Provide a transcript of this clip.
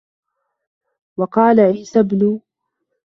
وَقَالَ عِيسَى ابْنُ